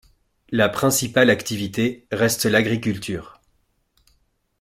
La principale activité reste l'agriculture.